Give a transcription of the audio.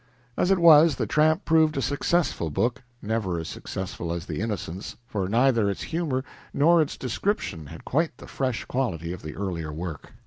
As it was, the "Tramp" proved a successful book never as successful as the "Innocents," for neither its humor nor its description had quite the fresh quality of the earlier work.